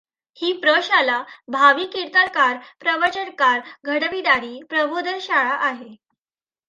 ही प्रशाला भावी कीर्तनकार, प्रवचनकार घडविणारी प्रबोधन शाळा आहे.